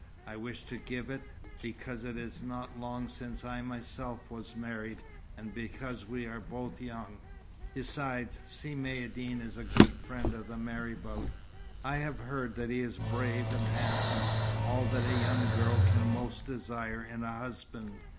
"I wish to give it, because it is not long since I myself was married, and because we are both young. Besides, Si Maïeddine is a good friend of the marabout. I have heard that he is brave and handsome, all that a young girl can most desire in a husband."